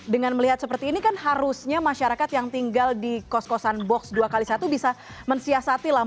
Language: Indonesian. dengan melihat seperti ini kan harusnya masyarakat yang tinggal di kos kosan box dua x satu bisa mensiasati lah